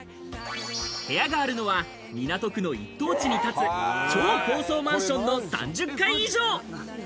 部屋があるのは港区の一等地に立つ、超高層マンションの３０階以上。